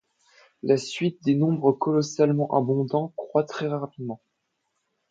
La suite des nombres colossalement abondants croît très rapidement.